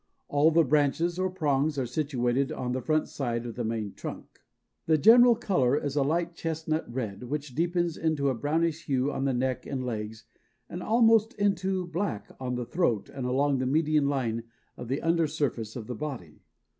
All the branches or prongs are situated on the front side of the main trunk. "The general color is a light chestnut red, which deepens into a brownish hue on the neck and legs and almost into a black on the throat and along the median line of the under surface of the body.